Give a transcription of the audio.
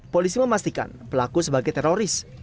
polisi memastikan pelaku sebagai teroris